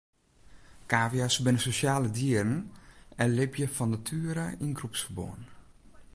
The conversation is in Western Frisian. Kavia's binne sosjale dieren en libje fan natuere yn groepsferbân.